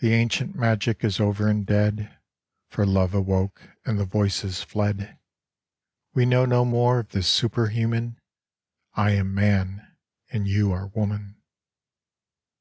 The ancient magic is over and dead, For love awoke and the voices fled : We know no more of the superhuman : I am a man and you are a woman.